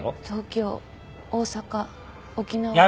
東京大阪沖縄。